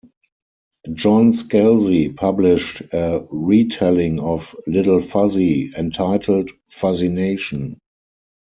John Scalzi published a re-telling of "Little Fuzzy", entitled "Fuzzy Nation".